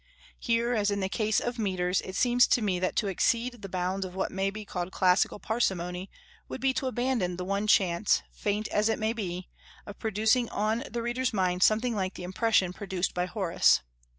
Here, as in the case of metres, it seems to me that to exceed the bounds of what may be called classical parsimony would be to abandon the one chance, faint as it may be, of producing on the reader's mind something like the impression produced by Horace.